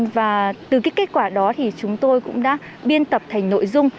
và từ cái kết quả đó thì chúng tôi cũng đã biên tập thành nội dung